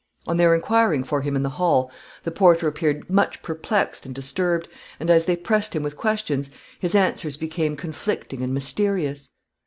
On their inquiring for him in the hall, the porter appeared much perplexed and disturbed, and as they pressed him with questions, his answers became conflicting and mysterious.